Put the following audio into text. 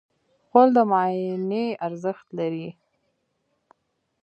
غول د معاینې ارزښت لري.